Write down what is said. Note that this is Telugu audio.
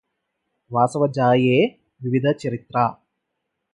వాసవజాయే వివిధ చరిత్రా